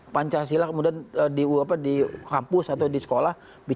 pancasila kemudian di kampus atau di sekolah